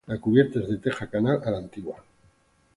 La cubierta es de teja canal a la "antigua".